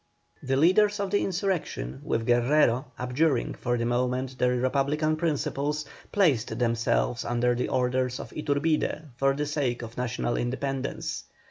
The leaders of the insurrection, with Guerrero, abjuring for the moment their Republican principles, placed themselves under the orders of Iturbide for the sake of national independence.